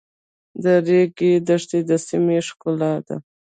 د ریګ دښتې د سیمو ښکلا ده.